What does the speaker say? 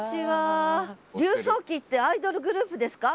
柳叟忌ってアイドルグループですか？